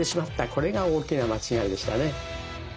これが大きな間違いでしたね。